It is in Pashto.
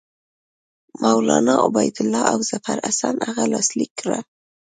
مولنا عبیدالله او ظفرحسن هغه لاسلیک کړه.